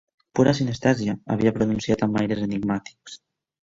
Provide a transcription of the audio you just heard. Pura sinestèsia —havia pronunciat amb aires enigmàtics.